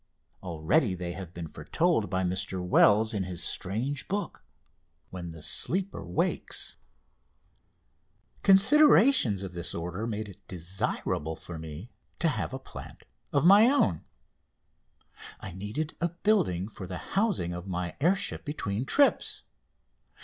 Already they have been foretold by Mr Wells in his strange book, "When the Sleeper Wakes." [Illustration: ACCIDENT TO "No. 2," MAY 11, 1899 (FINALE)] Considerations of this order made it desirable for me to have a plant of my own. I needed a building for the housing of my air ship between trips.